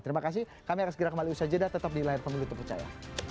terima kasih kami akan segera kembali usaha jeda tetap di layar penulis untuk percaya